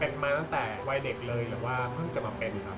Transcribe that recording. เป็นมาตั้งแต่วัยเด็กเลยหรือว่าเพิ่งจะมาเป็นครับ